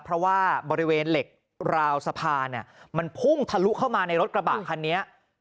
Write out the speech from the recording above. เพราะว่าบริเวณเหล็กราวสะพานมันพุ่งทะลุเข้ามาในรถกระบะคันนี้